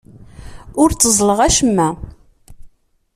Ur tteẓẓleɣ acemma.